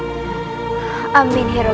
selalu melindungi kalian